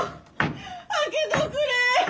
開けとくれ！